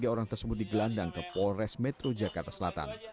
tiga puluh tiga orang tersembunyi gelandang ke polres metro jakarta selatan